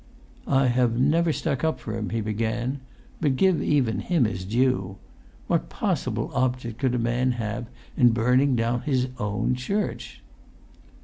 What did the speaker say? "I have never stuck up for him," he began; "but give even him his due! What possible object could a man have in burning down his own church?"